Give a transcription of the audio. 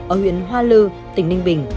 ở huyện hoa lư tỉnh ninh bình